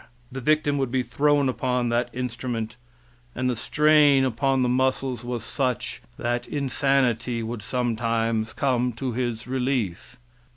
The victim would be thrown upon that instrument and the strain upon the muscles was such that insanity would sometimes come to his relief.